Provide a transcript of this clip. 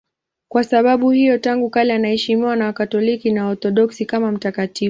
Kwa sababu hiyo tangu kale anaheshimiwa na Wakatoliki na Waorthodoksi kama mtakatifu.